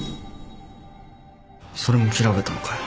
それも調べたのかよ。